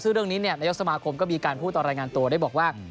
ซึ่งเรื่องนี้นายกสมาคมก็มีการพูดตอนรายงานตัวได้บอกว่า